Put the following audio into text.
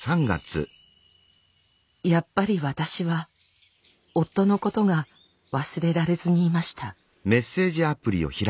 やっぱり私は夫のことが忘れられずにいました。